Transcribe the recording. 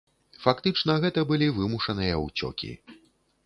Фактычна гэта былі вымушаныя ўцёкі.